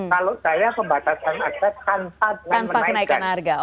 kalau saya pembatasan aset tanpa kenaikan harga